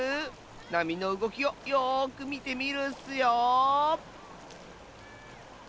なみのうごきをよくみてみるッスよ。